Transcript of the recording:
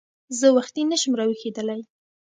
زه وختي نه شم راویښېدلی !